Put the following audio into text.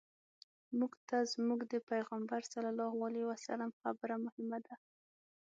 موږ ته زموږ د پیغمبر صلی الله علیه وسلم خبره مهمه ده.